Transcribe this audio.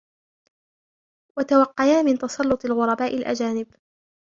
وَتَوَقِّيًا مِنْ تَسَلُّطِ الْغُرَبَاءِ الْأَجَانِبِ